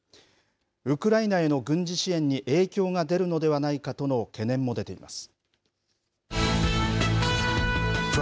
ウクライナへの軍事支援に影響が出るのではないかとの懸念も出ています。